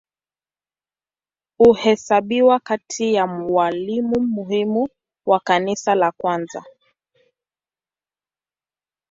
Huhesabiwa kati ya walimu muhimu wa Kanisa la kwanza.